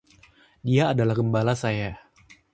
Dia adalah gembala saya.